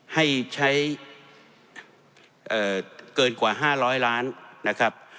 ให้ใช้เอ่อเกินกว่าห้าร้อยล้านนะครับ